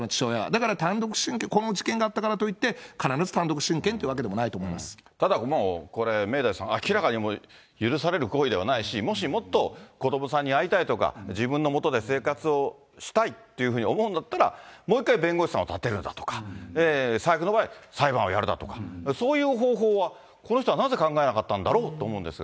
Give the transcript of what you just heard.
だから単独親権、この事件があったからといって必ず単独親権というわけではないとただ、もうこれ、明大さん、明らかにもう許される行為ではないし、もしもっと子どもさんに会いたいとか、自分のもとで生活をしたいって思うんだったら、もう一回弁護士さんを立てるだとか、最悪の場合、裁判をやるだとか、そういう方法は、この人はなぜ考えなかったんだろうと思うんですが。